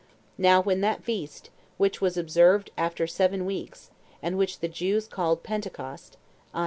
Now when that feast, which was observed after seven weeks, and which the Jews called Pentecost, [i.